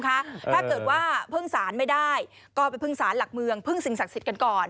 ถ้าเกิดว่าพึ่งสารไม่ได้ก็ไปพึ่งสารหลักเมืองพึ่งสิ่งศักดิ์สิทธิ์กันก่อน